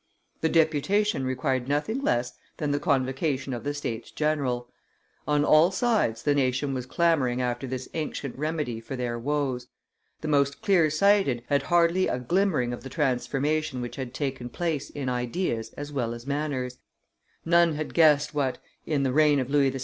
The deputation required nothing less than the convocation of the States general. On all sides the nation was clamoring after this ancient remedy for their woes; the most clear sighted had hardly a glimmering of the transformation which had taken place in ideas as well as manners; none had guessed what, in the reign of Louis XVI.